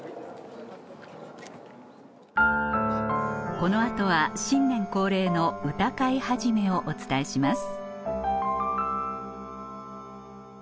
この後は新年恒例の歌会始をお伝えします